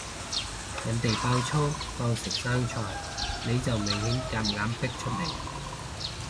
人哋爆粗當食生菜，你就明顯夾硬逼出嚟